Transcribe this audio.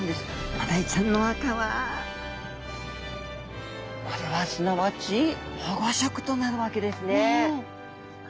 マダイちゃんの赤はこれはすなわち保護色となるわけですね。